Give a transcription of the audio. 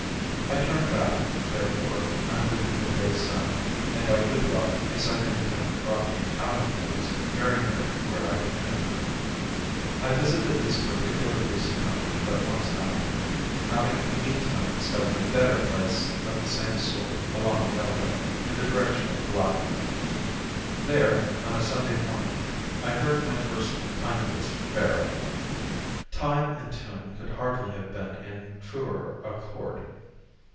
I turned back, therefore, under the midday sun, and by good luck a second attempt brought me out of the woods very near where I had entered them. I visited this particular piece of country but once afterward, having in the mean time discovered a better place of the same sort along the railroad, in the direction of Palatka. There, on a Sunday morning, I heard my first pine wood sparrow. Time and tune could hardly have been in truer accord.